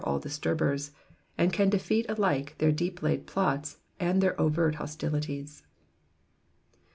153 all disturbers, and can defeat alike their deep laid plots and their oyert hostilities.